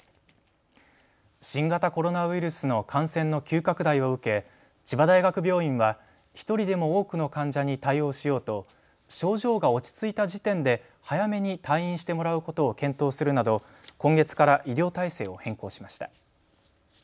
新型コロナウイルスの感染の急拡大を受け、千葉大学病院は１人でも多くの患者に対応しようと症状が落ち着いた時点で早めに退院してもらうことを検討するなど今月から医療体制を変更しました。